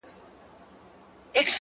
چي شاعر د څرګند پیغام له ورکولو څخه -